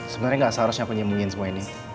sebenernya gak seharusnya aku nyembunyin semua ini